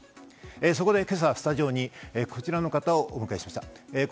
そこで今朝はスタジオにこちらの方をお迎えしました。